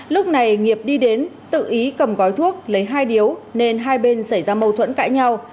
lúc này nghiệp đi đến tự ý cầm gói thuốc lấy hai điếu nên hai bên xảy ra mâu thuẫn cãi nhau